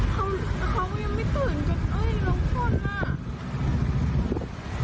เขายังไม่ตื่นจริงจริงโอ๊ยหลงคนน่ะ